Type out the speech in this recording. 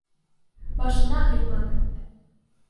Башына һыйманы.